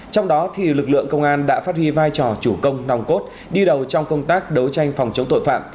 trong đó lực lượng công an đã phát huy vai trò chủ công nòng cốt đi đầu trong công tác đấu tranh phòng chống tội phạm